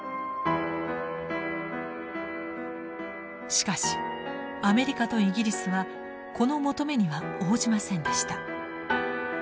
しかしアメリカとイギリスはこの求めには応じませんでした。